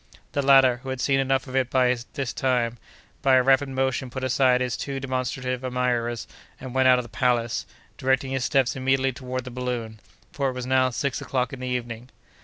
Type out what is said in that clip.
The latter, who had seen enough of it by this time, by a rapid motion put aside his too demonstrative admirers and went out of the palace, directing his steps immediately toward the balloon, for it was now six o'clock in the evening.